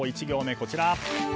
１行目は、こちら。